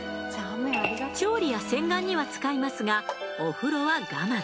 調理や洗顔には使いますがお風呂は我慢。